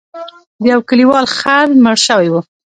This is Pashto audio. د یو کلیوال خر مړ شوی و.